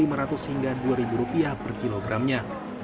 kondisi ini juga berkisar seribu lima ratus hingga dua ribu rupiah per kilogramnya